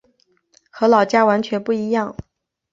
和老家完全不一样